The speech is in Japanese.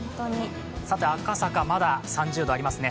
さて赤坂、まだ３０度ありますね。